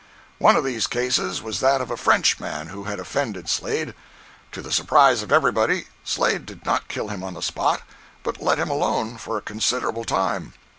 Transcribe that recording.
One of these cases was that of a Frenchman who had offended Slade. To the surprise of everybody Slade did not kill him on the spot, but let him alone for a considerable time.